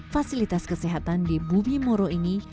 fasilitas kesehatan di bumi moro ini